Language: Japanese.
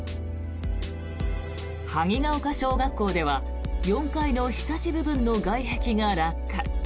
萩ヶ丘小学校では４階のひさし部分の外壁が落下。